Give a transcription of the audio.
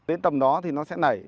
đến tầm đó thì nó sẽ nảy